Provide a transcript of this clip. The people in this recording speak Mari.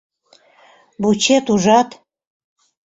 Вучет, ужат?